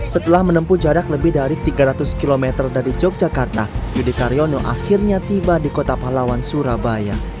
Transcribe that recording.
setelah menempuh jarak lebih dari tiga ratus km dari yogyakarta yudi karyono akhirnya tiba di kota pahlawan surabaya